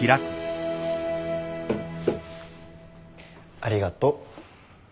ありがとう。